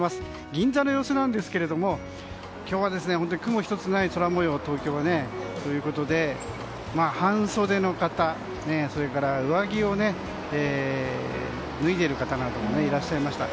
銀座の様子ですが雲一つない空模様ということで半袖の方、それから上着を脱いでいる方もいらっしゃいました。